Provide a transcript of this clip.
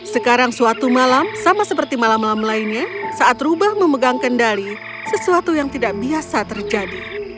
sekarang suatu malam sama seperti malam malam lainnya saat rubah memegang kendali sesuatu yang tidak biasa terjadi